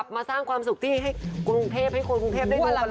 มีความความสุขที่ให้กรุงเทพให้คนกรุงเทพได้ดูกันแล้ว